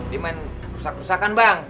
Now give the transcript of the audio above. dia main rusak kerusakan bang